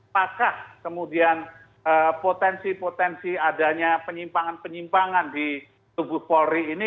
apakah kemudian potensi potensi adanya penyimpangan penyimpangan di tubuh polri ini